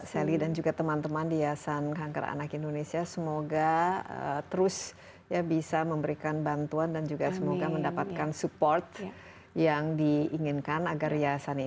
sally dan juga teman teman di yayasan kanker anak indonesia semoga terus ya bisa memberikan bantuan dan juga semoga mendapatkan support yang diinginkan agar yayasan ini